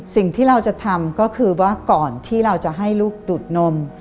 สิ่งที่เราจะทำก็คือว่าก่อนที่เราจะให้ลูกดูดนม